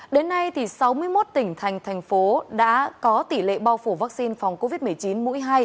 đến nay sáu mươi một tỉnh thành thành phố đã có tỷ lệ bao phủ vaccine phòng covid một mươi chín mũi hai